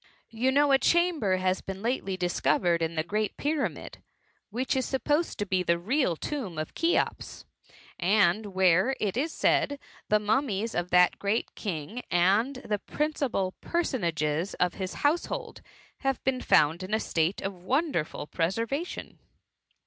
You know a chamber has been lately discovered in the great pyramid, which is supposed to be the real tomb of Cheops; and where, it is said, the mummies ot that great king and the principal personages of his liouse* hold, have been found in a state of wonderful preservation."